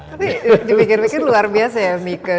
tapi dipikir pikir luar biasa ya mika